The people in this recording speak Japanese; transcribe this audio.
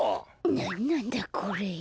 なんなんだこれ。